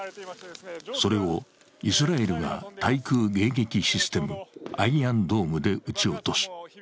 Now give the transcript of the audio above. それをイスラエルが対空迎撃システムアイアンドームで撃ち落とす。